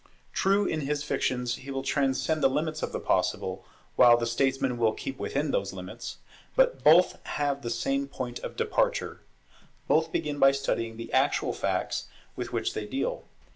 True in his fictions he will transcend the limits of the possible, while the statesman will keep within those limits; but both have the same point of departure; both begin by studying the actual facts with which they deal.